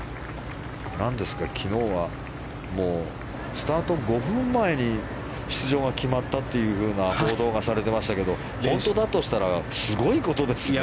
昨日はスタート５分前に出場が決まったという報道がされてましたけども本当だとしたらすごいことですよね。